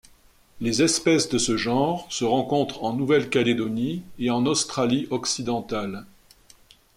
Les espèces de ce genre se rencontrent en Nouvelle-Calédonie et en Australie-Occidentale.